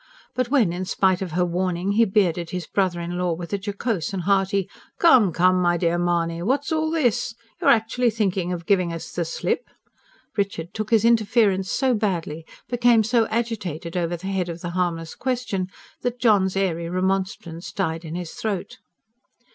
But when, in spite of her warning, he bearded his brother in law with a jocose and hearty: "Come, come, my dear Mahony! what's all this? You're actually thinking of giving us the slip?" Richard took his interference so badly, became so agitated over the head of the harmless question that John's airy remonstrance died in his throat.